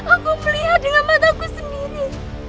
aku melihat dengan mataku sendiri